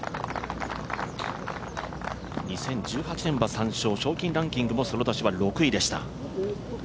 ２０１８年は３勝賞金ランキングもその年は６位でした。